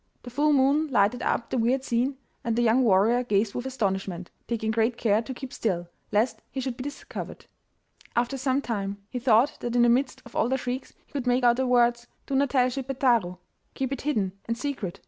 The full moon lighted up the weird scene, and the young warrior gazed with astonishment, taking great care to keep still, lest he should be discovered. After some time he thought that in the midst of all their shrieks he could make out the words, 'Do not tell Schippeitaro! Keep it hidden and secret!